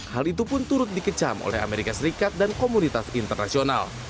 hal itu pun turut dikecam oleh amerika serikat dan komunitas internasional